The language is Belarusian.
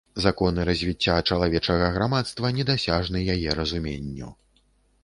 Законы развіцця чалавечага грамадства недасяжны яе разуменню.